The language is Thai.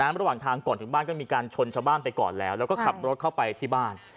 ระหว่างทางก่อนถึงบ้านก็มีการชนชาวบ้านไปก่อนแล้วแล้วก็ขับรถเข้าไปที่บ้าน